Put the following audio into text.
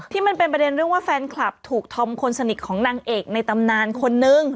มันเป็นประเด็นเรื่องว่าแฟนคลับถูกทอมคนสนิทของนางเอกในตำนานคนนึง